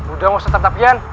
udah gak usah tertapian